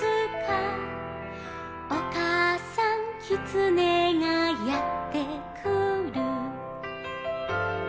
「おかあさんキツネがやってくる」